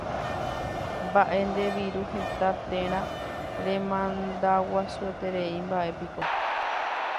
Mba'e nde viru heta térã remandaguasuetereímba'epiko.